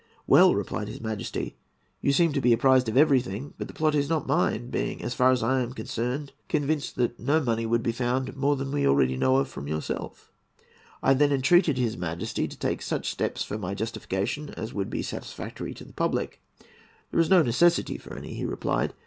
'Well,' replied his Majesty, 'you seem to be apprised of everything; but the plot is not mine, being, as far as I am concerned, convinced that no money would be found more than we already know of from yourself.' I then entreated his Majesty to take such steps for my justification as would be satisfactory to the public. 'There is no necessity for any,' he replied.